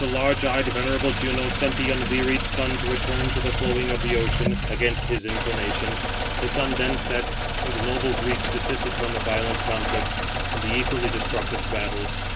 But the large eyed, venerable Juno sent the unwearied sun, to return to the flowing of the ocean, against his inclination. The sun then set, and the noble Greeks desisted from the violent conflict, and the equally destructive battle.